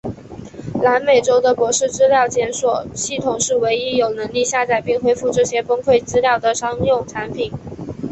南美州的博士资料检索系统是唯一有能力下载并恢复这些崩溃资料的商用产品。